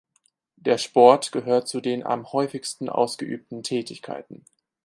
Der Sport gehört zu den am häufigsten ausgeübten Tätigkeiten.